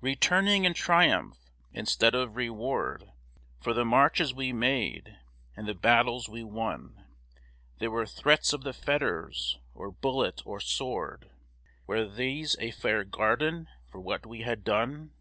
Returning in triumph, instead of reward For the marches we made and the battles we won, There were threats of the fetters or bullet or sword Were these a fair guerdon for what we had done?